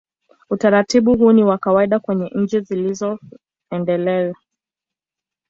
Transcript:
Utaratibu huu ni wa kawaida kwenye nchi zilizoendelea.